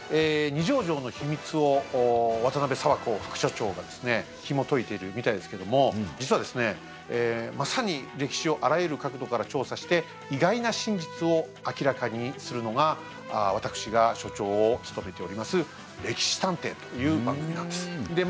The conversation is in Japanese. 二条城の秘密を渡邊佐和子副所長がひもといているみたいですけど実はですね、まさに歴史をあらゆる角度から調査して意外な真実を明らかにするのが私が所長を務めております歴史探偵という番組なんです。